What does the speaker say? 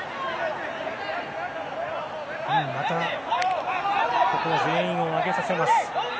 またここは全員を上げさせます。